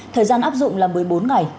thời gian áp dụng là một mươi bốn ngày